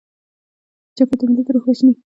جګړه د ملت روح وژني